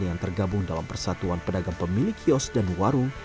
yang tergabung dalam persatuan pedagang pemilik kios dan warung